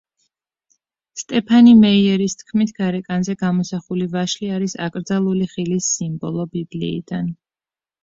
სტეფანი მეიერის თქმით, გარეკანზე გამოსახული ვაშლი არის აკრძალული ხილის სიმბოლო, ბიბლიიდან.